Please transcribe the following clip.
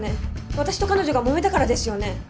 私と彼女が揉めたからですよね。